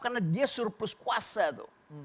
karena dia surplus kuasa tuh